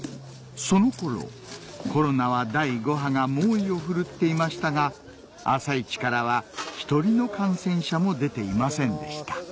その頃コロナは第５波が猛威を振るっていましたが朝市からは１人の感染者も出ていませんでした